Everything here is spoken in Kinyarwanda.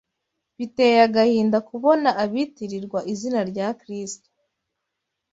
Biteye agahinda kubona abitirirwa izina rya Kristo